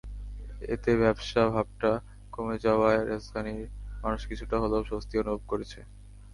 এতে ভ্যাপসা ভাবটা কমে যাওয়ায় রাজধানীর মানুষ কিছুটা হলেও স্বস্তি অনুভব করেছে।